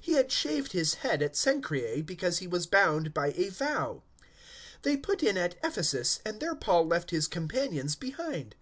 He had shaved his head at Cenchreae, because he was bound by a vow. 018:019 They put in at Ephesus, and there Paul left his companions behind.